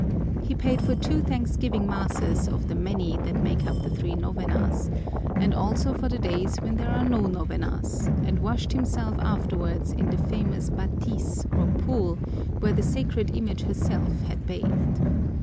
He paid for two thanksgiving masses of the many that make up the three novenas, and also for the days when there are no novenas, and washed himself afterwards in the famous bátis, or pool, where the sacred Image herself had bathed.